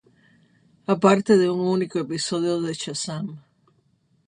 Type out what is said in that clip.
Aparte de un único episodio de "Shazam!